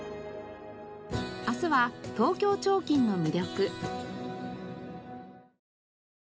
明日は東京彫金の魅力。